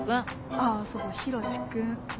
ああそうそうヒロシ君。